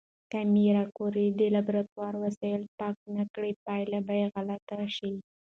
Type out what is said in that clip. که ماري کوري د لابراتوار وسایل پاک نه کړي، پایله به غلطه شي.